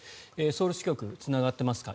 ソウル支局つながっていますか